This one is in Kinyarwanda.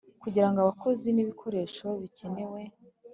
Kugira abakozi n ibikoresho bikenewe